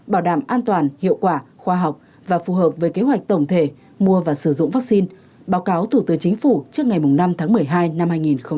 bảo đảm an toàn hiệu quả khoa học và phù hợp với kế hoạch tổng thể mua và sử dụng vaccine báo cáo thủ tướng chính phủ trước ngày năm tháng một mươi hai năm hai nghìn hai mươi